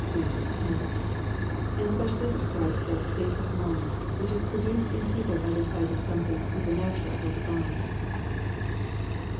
10,) and specially describes that state of mind which is produced in people by the sight of something supernatural or divine.